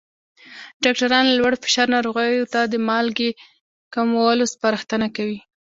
ډاکټران له لوړ فشار ناروغانو ته د مالګې کمولو سپارښتنه کوي.